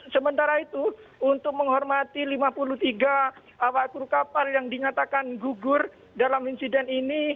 sementara itu untuk menghormati lima puluh tiga awak kru kapal yang dinyatakan gugur dalam insiden ini